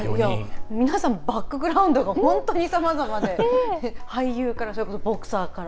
皆さんバックグラウンドが本当にさまざまで俳優からボクサーから。